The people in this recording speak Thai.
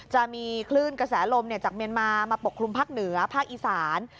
จะมีคลื่นกระแสลมจากเมียนมามาปกคลุมภาคเหนือภาคอีสาน